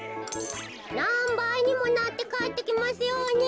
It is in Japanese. なんばいにもなってかえってきますように。